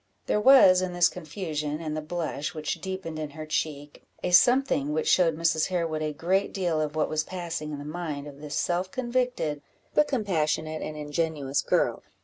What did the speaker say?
There was, in this confusion, and the blush which deepened in her cheek, a something which showed Mrs. Harewood a great deal of what was passing in the mind of this self convicted, but compassionate and ingenuous girl.